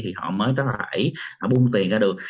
thì họ mới có thể bung tiền ra được